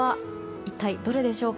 一体どれでしょうか。